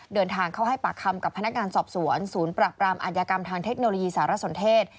เดินทางเข้าให้ปากคำกับพนักงานสอบสวนศูนย์ปรับปรามอัธยากรรมทางเทคโนโลยีสารสนเทศ